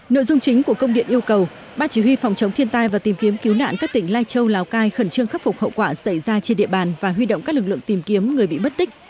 nội dung chính của công điện yêu cầu ban chỉ huy phòng chống thiên tai và tìm kiếm cứu nạn các tỉnh lai châu lào cai khẩn trương khắc phục hậu quả xảy ra trên địa bàn và huy động các lực lượng tìm kiếm người bị mất tích